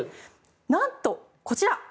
なんと、こちら。